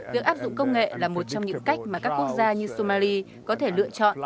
việc áp dụng công nghệ là một trong những cách mà các quốc gia như somali có thể lựa chọn